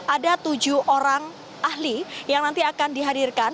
ada tujuh orang ahli yang nanti akan dihadirkan